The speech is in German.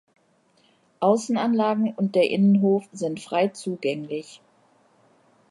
Außenanlagen und der Innenhof sind frei zugänglich.